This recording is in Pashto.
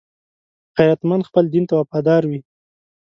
غیرتمند خپل دین ته وفادار وي